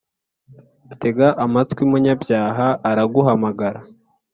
Tega amatwi munyabyaha araguhamagara